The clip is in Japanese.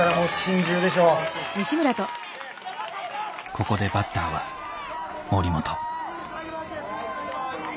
ここでバッターは森本。